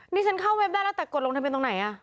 นี่ฉันเข้าเว็บได้แล้วแต่กดลงทะเบียนตรงไหน